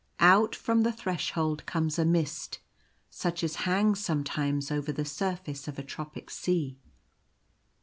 Out from the Threshold comes a mist, such as hangs sometimes over the surface of a tropic sea.